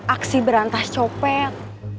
aksi berantas copet